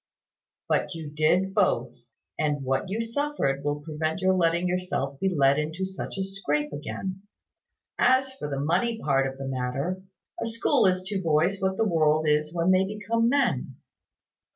"But you did both; and what you suffered will prevent your letting yourself be led into such a scrape again. As for the money part of the matter a school is to boys what the world is when they become men.